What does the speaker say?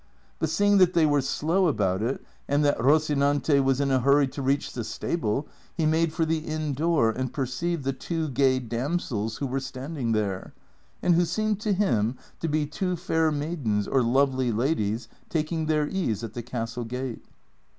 But seeing that they were slow about it, and that Rocinante was in a hurry to reach the stable, he made for the inn door, and perceived the two gay damsels who were standing there, and who seemed to him to be two fair maidens or lovely ladies taking their ease at the castle gate.